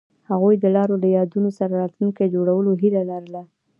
هغوی د لاره له یادونو سره راتلونکی جوړولو هیله لرله.